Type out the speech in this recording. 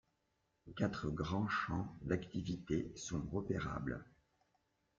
Quatre grands champs d'activités sont repérables.